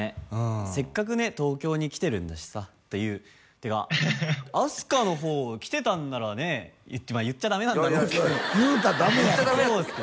せっかくね東京に来てるんだしさっていうてか飛鳥のほう来てたんならね言っちゃダメなんだろうけど言うたらダメやんけ